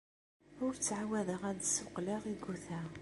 Ur ttɛawadeɣ ad d-ssuqqleɣ iguta.